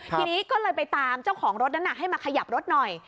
ทีนี้ก็เลยไปตามเจ้าของรถนั้นให้มาขยับรถหน่อย